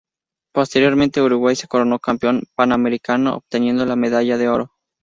Posteriormente Uruguay se coronó campeón panamericano, obteniendo la medalla de oro.